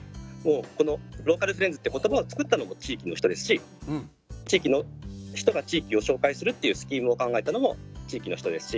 このローカルフレンズって言葉を作ったのも地域の人ですし地域の人が地域を紹介するっていうスキームを考えたのも地域の人ですし。